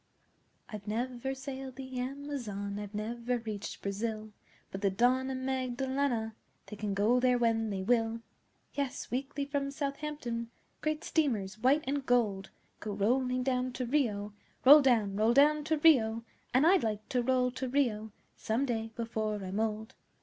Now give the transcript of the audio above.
I'VE never sailed the Amazon, I've never reached Brazil; But the Don and Magdelana, They can go there when they will! Yes, weekly from Southampton, Great steamers, white and gold, Go rolling down to Rio (Roll down roll down to Rio!) And I'd like to roll to Rio Some day before I'm old!